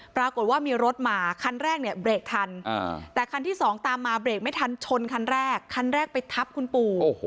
ปรากฏว่ามีรถมาคันแรกเนี่ยเบรกทันแต่คันที่สองตามมาเบรกไม่ทันชนคันแรกคันแรกไปทับคุณปู่